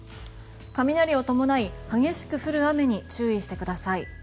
雷を伴い激しく降る雨に注意してください。